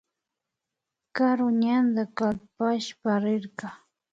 Kari ñanda kalpashpa rirka